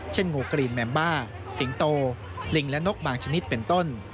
โงกรีนแมมบ้าสิงโตลิงและนกบางชนิดเป็นต้น